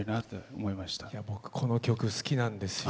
僕この曲好きなんですよ。